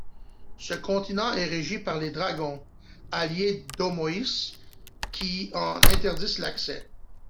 Ce continent est régi par les Dragons, alliés d'Omois, qui en interdisent l'accès.